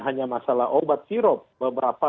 hanya masalah obat sirup beberapa